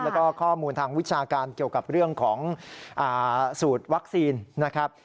แล้วก็ข้อมูลทางวิชาการเกี่ยวกับเรื่องของสูตรวัคซีนนะครับ